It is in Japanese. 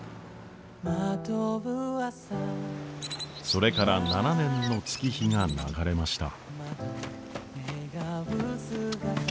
それから７年の月日が流れました。